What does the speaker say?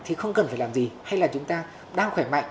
thì không cần phải làm gì hay là chúng ta đang khỏe mạnh